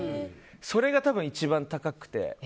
それが多分一番高くて。